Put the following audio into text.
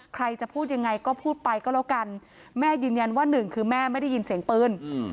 ใครจะพูดยังไงก็พูดไปก็แล้วกันแม่ยืนยันว่าหนึ่งคือแม่ไม่ได้ยินเสียงปืน